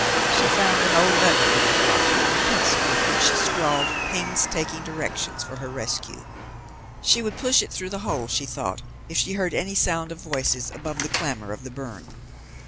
She found an old letter in her pocket, and a pencil, with which she scrawled painstaking directions for her rescue. She would push it through the hole, she thought, if she heard any sound of voices above the clamour of the burn.